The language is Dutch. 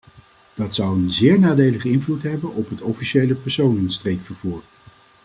Dat zou een zeer nadelige invloed hebben op het officiële personenstreekvervoer.